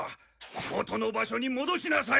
元の場所に戻しなさい。